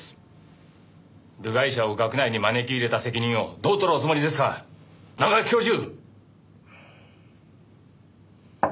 部外者を学内に招き入れた責任をどう取るおつもりですか中垣教授！